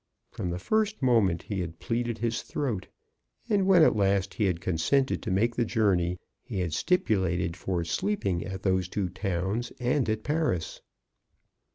From the first moment he had pleaded his throat, and when at last he had consented to make the journey, he had stipulated for sleeping at those two towns and at Paris.